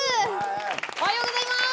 おはようございます。